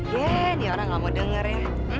ya nih orang gak mau denger ya